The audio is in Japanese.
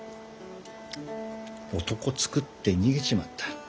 男作って逃げちまった。